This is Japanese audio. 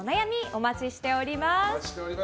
お待ちしております。